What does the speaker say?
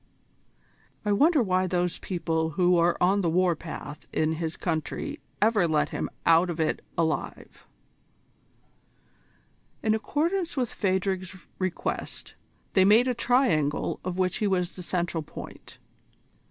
I wonder why those people who are on the war path in his country ever let him out of it alive?" In accordance with Phadrig's request, they made a triangle of which he was the central point.